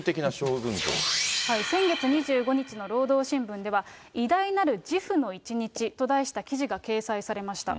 先月２５日の労働新聞では、偉大なる慈父の一日と題した記事が掲載されました。